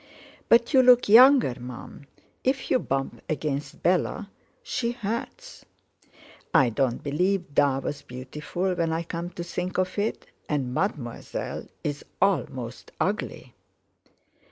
"But you look younger, Mum. If you bump against Bella she hurts." "I don't believe 'Da' was beautiful, when I come to think of it; and Mademoiselle's almost ugly."